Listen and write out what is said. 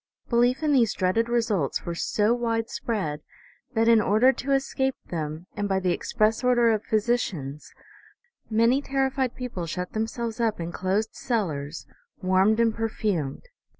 Belief in these dreaded results were so widespread, that, in order to escape them, and by the express order of physicians, many terrified peo ple shut themselves up in closed cellars, warmed and per fumed.